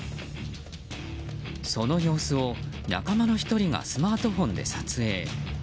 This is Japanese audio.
その様子を、仲間の１人がスマートフォンで撮影。